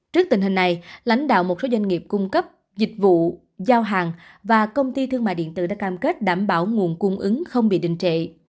trước tình hình này lãnh đạo một số doanh nghiệp cung cấp dịch vụ giao hàng và công ty thương mại điện tử đã cam kết đảm bảo nguồn cung ứng không bị đình trệ